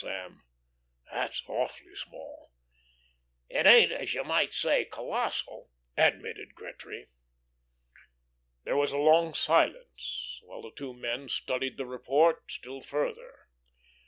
Sam, that's awfully small." "It ain't, as you might say, colossal," admitted Gretry. There was a long silence while the two men studied the report still further.